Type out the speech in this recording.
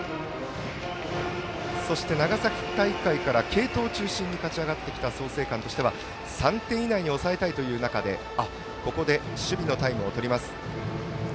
そして、長崎大会から継投を中心に勝ち上がってきた創成館としては３点以内に抑えたいという中で守備のタイムをとります。